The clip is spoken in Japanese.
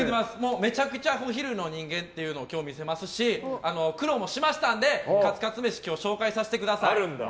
めちゃくちゃお昼の人間っていうのを今日、見せますし苦労もしましたんでカツカツ飯、今日紹介させてください。